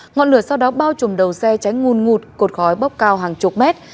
ngọn lửa sau đó bao trùm đầu xe cháy nguồn ngụt cột khói bốc cao hàng chục mét